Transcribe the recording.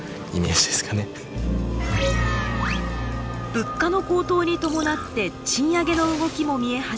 物価の高騰に伴って賃上げの動きも見え始めた日本。